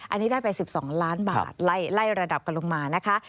อันนี้ได้ไป๑๒ล้านบาทไล่ระดับกันลงมานะคะ